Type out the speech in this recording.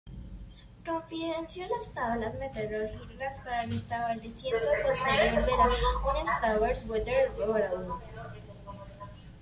Confeccionó las tablas meteorológicas para el establecimiento posterior del United States Weather Bureau.